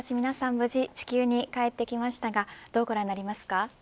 無事地球に帰ってきましたがどうご覧になりますか。